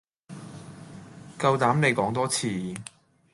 夠膽你講多次